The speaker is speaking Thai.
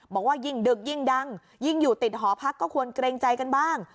บอกว่ายิ่งดึกยิ่งดังยิ่งอยู่ติดหอพักก็ควรเกรงใจกันบ้าง